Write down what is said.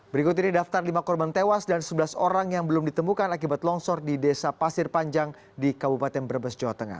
berikut ini daftar lima korban tewas dan sebelas orang yang belum ditemukan akibat longsor di desa pasir panjang di kabupaten brebes jawa tengah